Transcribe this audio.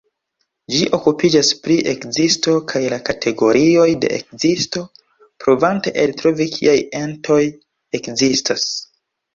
Ĝi okupiĝas pri ekzisto kaj la kategorioj de ekzisto, provante eltrovi kiaj entoj ekzistas.